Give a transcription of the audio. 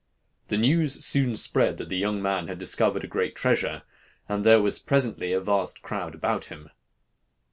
The news soon spread that the young man had discovered a great treasure, and there was presently a vast crowd about him.